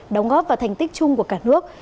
đóng góp vào thành tích chung của cả nước